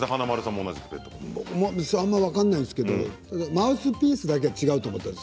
あまり分からないんですけどマウスピースだけは違うと思ったんです。